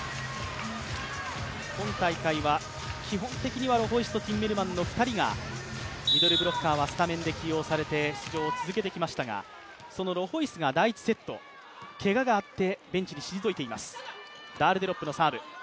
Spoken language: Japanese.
今大会は基本的にはバイスとティンメルマンのミドルブロッカーはスタメンで起用されて出場を続けてきましたが、そのロホイスが第１セット、けががあってベンチに退いています。